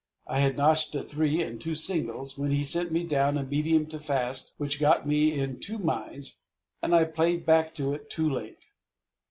I had notched a three and two singles, when he sent me down a medium to fast which got me in two minds and I played back to it too late.